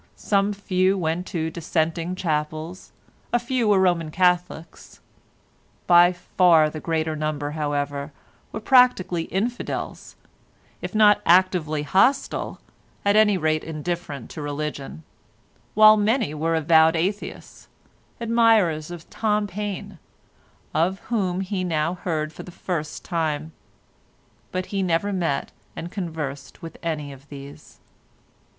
Some few went to dissenting chapels, a few were Roman Catholics; by far the greater number, however, were practically infidels, if not actively hostile, at any rate indifferent to religion, while many were avowed Atheists—admirers of Tom Paine, of whom he now heard for the first time; but he never met and conversed with any of these.